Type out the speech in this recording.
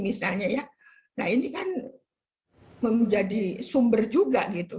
ini kan menjadi sumber juga